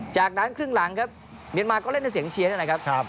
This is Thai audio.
จากนั้นครึ่งหลังครับเมียนมาก็เล่นด้วยเสียงเชียร์นี่แหละครับ